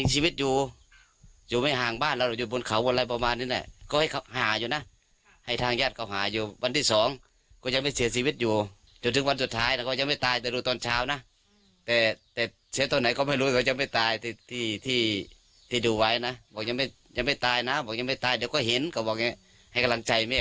จากนั้นบอกว่าเช้าเมื่อวานยังไม่ตายอยากก็ฟังให้ฟังกัน